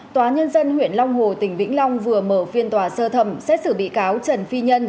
tòa nhân dân huyện long hồ tỉnh vĩnh long vừa mở phiên tòa sơ thẩm xét xử bị cáo trần phi nhân